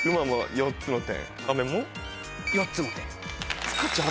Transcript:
４つの点。